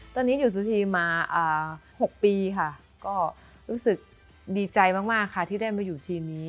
ตอนนี้อยู่สุธีมา๖ปีค่ะก็รู้สึกดีใจมากค่ะที่ได้มาอยู่ทีมนี้